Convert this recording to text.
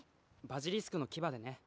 バジリスクの牙でね